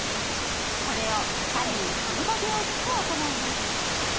これを左右１５秒ずつ行います